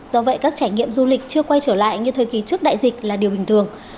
do vậy các trải nghiệm du lịch chưa quay trở lại như thời kỳ trước đại dịch là điều bình thường